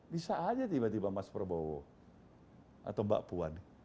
bisa aja tiba tiba mas prabowo atau mbak puan